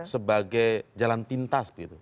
sebagai jalan pintas begitu